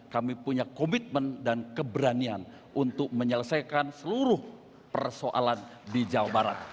kami punya komitmen dan keberanian untuk menyelesaikan seluruh persoalan di jawa barat